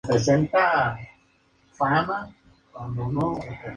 Está enterrado en el Cementerio de la Almudena.